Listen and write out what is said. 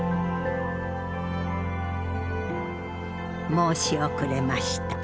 申し遅れました。